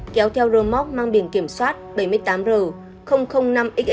kéo theo rô móc mang biển kiểm soát bảy mươi tám r năm xx